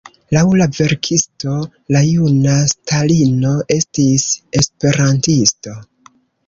Laŭ la verkisto, la juna Stalino estis esperantisto.